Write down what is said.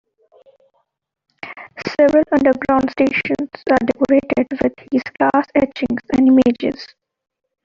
Several underground stations are decorated with his glass etchings and images.